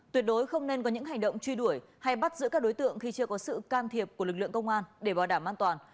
tuyệt đối không nên có những hành động truy đuổi hay bắt giữ các đối tượng khi chưa có sự can thiệp của lực lượng công an để bảo đảm an toàn